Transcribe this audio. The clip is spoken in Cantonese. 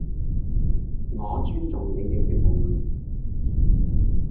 我尊重你嘅決定